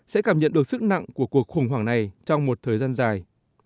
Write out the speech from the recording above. sẽ cảm nhận được sức nặng của cuộc khủng hoảng này trong một thời gian dài